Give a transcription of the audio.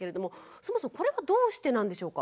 そもそもこれはどうしてなんでしょうか。